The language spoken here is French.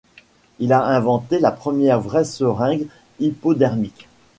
Il a inventé la première vraie seringue hypodermique.